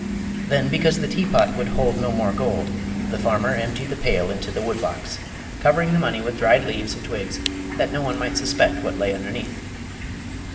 Then, because the teapot would hold no more gold, the farmer emptied the pail into the wood box, covering the money with dried leaves and twigs, that no one might suspect what lay underneath.